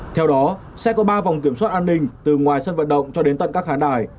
theo đó sẽ có ba vòng kiểm soát an ninh từ ngoài sân vận động cho đến tận các khán đài